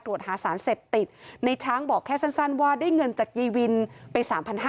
ตรวจหาสารเสพติดในช้างบอกแค่สั้นว่าได้เงินจากยีวินไป๓๕๐๐